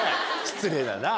失礼だな。